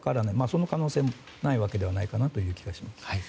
その可能性もないわけではない気がします。